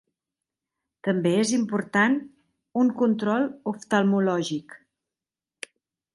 També és important un control oftalmològic.